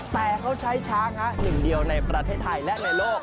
แต่เขาใช้ช้างหนึ่งเดียวในประเทศไทยและในโลก